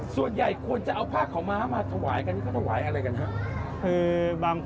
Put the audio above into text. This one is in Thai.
ส่วนใหญ่คนจะเอาผ้าขัวม้ามาถวายกัน